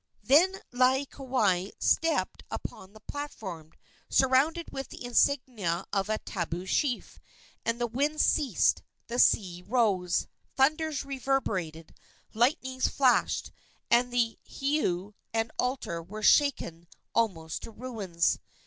Then Laieikawai stepped upon the platform, surrounded with the insignia of a tabu chief, and the winds ceased, the sea rose, thunders reverberated, lightnings flashed, and the heiau and altar were shaken almost to ruins.